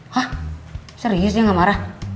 wah serius dia gak marah